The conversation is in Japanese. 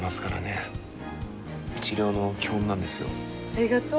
ありがとう。